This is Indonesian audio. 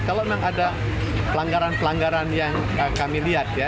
kalau memang ada pelanggaran pelanggaran yang kami lihat ya